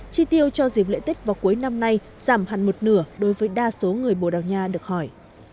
chi tiêu cho dịp lễ tết vào cuối năm nay giảm hẳn một nửa đối với đa số người bồ đào nha được hỏi